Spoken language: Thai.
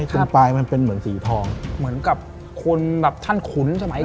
ตรงปลายมันเป็นเหมือนสีทองเหมือนกับคนแบบท่านขุนสมัยก่อน